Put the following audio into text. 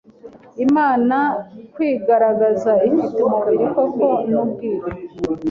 Imana kwigaragaza ifite umubiri koko ni ubwiru